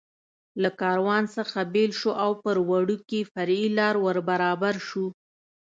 له کاروان څخه بېل شو او پر وړوکې فرعي لار ور برابر شو.